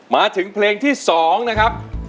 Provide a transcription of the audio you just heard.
มาถึงเพลงที่๒นะครับ